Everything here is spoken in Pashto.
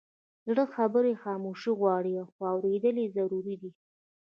زړه خبرې خاموشي غواړي، خو اورېدل یې ضروري دي.